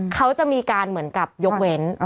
เขาจะมีการเหมือนกับยกเว้น